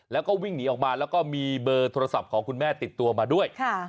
แล้วก็วิ่งหนีออกมาแล้วก็มีเบอร์โทรศัพท์ของคุณแม่ติดตัวมาด้วย